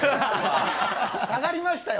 下がりましたよ。